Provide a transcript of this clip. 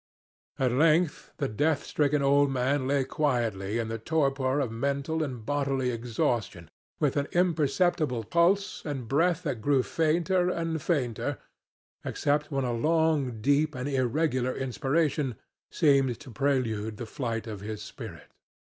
At length the death stricken old man lay quietly in the torpor of mental and bodily exhaustion, with an imperceptible pulse and breath that grew fainter and fainter except when a long, deep and irregular inspiration seemed to prelude the flight of his spirit.